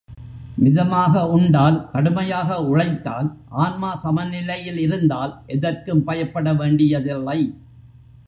மிதமாக உண்டால், கடுமையாக உழைத்தால், ஆன்மா சமநிலையில் இருந்தால், எதற்கும் பயப்பட வேண்டியதில்லை.